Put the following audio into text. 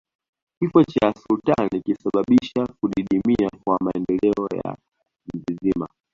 Kifo cha sultani kilisababisha kudidimia kwa maendeleo ya mzizima